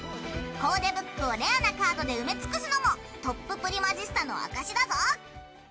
コーデブックをレアなカードで埋め尽くすのもトッププリマジスタの証しだぞ。